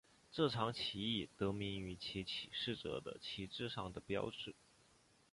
这场起义得名于其起事者的旗帜上的标志。